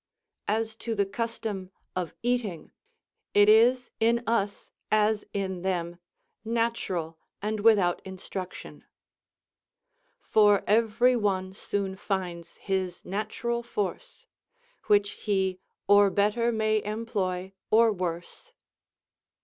As to the custom of eating, it is in us, as in them, natural, and without instruction; "For every one soon finds his natural force. Which he, or better may employ, or worse."